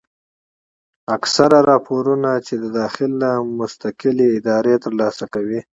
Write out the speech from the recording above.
اکثره راپورنه چې د داخل نه مستقلې ادارې تر لاسه کوي